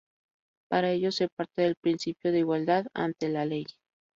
Para ello, se parte del principio de igualdad ante la ley.